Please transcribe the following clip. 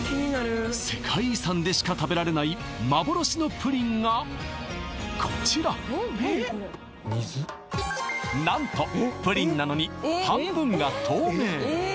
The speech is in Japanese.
世界遺産でしか食べられない幻のプリンがこちら何とプリンなのに半分が透明